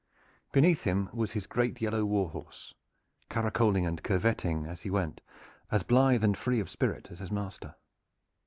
Beneath him was his great yellow warhorse, caracoling and curveting as he went, as blithe and free of spirit as his master.